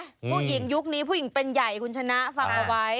ผู้หญิงยุคนี้ผู้หญิงเป็นใหญ่คุณชนะฟังเอาไว้